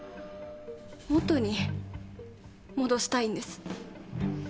元に戻したいんです。